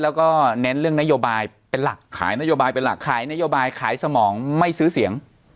และเน้นเรื่องนโยบายในสมองของคนไม่ซื้อเสียง